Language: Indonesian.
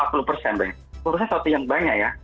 kurasa satu yang banyak ya